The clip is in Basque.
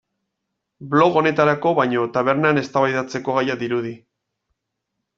Blog honetarako baino tabernan eztabaidatzeko gaia dirudi.